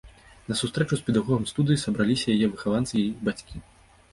На сустрэчу з педагогамі студыі сабраліся яе выхаванцы і іх бацькі.